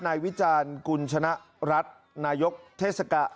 นายวิจารณ์กุลชนะรัฐนายกเทสกร